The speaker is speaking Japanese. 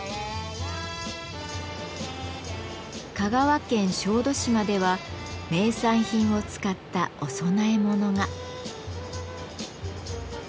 香川県小豆島では名産品を使ったお供え物が。